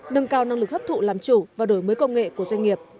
nâng cao năng lực hấp thụ làm chủ và đổi mới công nghệ của doanh nghiệp